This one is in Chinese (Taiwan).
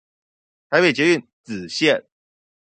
台北捷運紫線